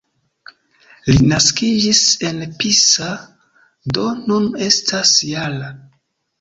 Li naskiĝis en Pisa, do nun estas -jara.